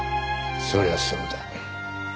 そりゃそうだ。